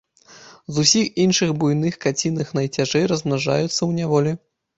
З усіх іншых буйных каціных найцяжэй размнажаюцца ў няволі.